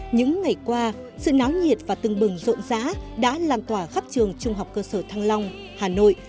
những ngày qua sự náo nhiệt và tưng bừng rộn rã đã làm tỏa khắp trường trung học cơ sở thăng long hà nội